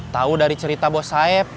tahu dari cerita bos saib